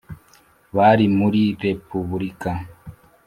bari muri repubulika,